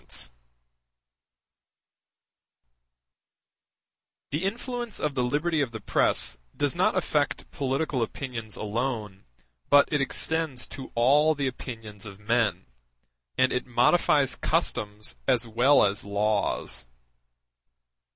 Liberty Of The Press In The United States The influence of the liberty of the press does not affect political opinions alone, but it extends to all the opinions of men, and it modifies customs as well as laws.